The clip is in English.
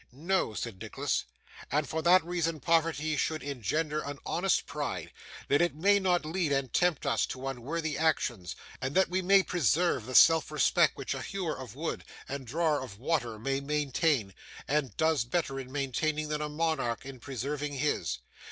'No,' said Nicholas, 'and for that reason poverty should engender an honest pride, that it may not lead and tempt us to unworthy actions, and that we may preserve the self respect which a hewer of wood and drawer of water may maintain, and does better in maintaining than a monarch in preserving his.